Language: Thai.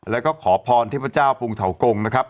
แล้วก็ขอพรเทพเจ้าภูมิเถาโกง